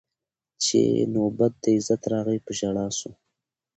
چي نوبت د عزت راغی په ژړا سو